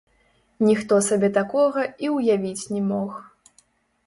Ніхто сабе такога і ўявіць не мог.